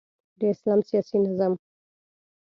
د اسلام سیاسی نظام